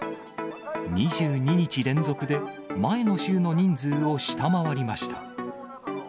２２日連続で前の週の人数を下回りました。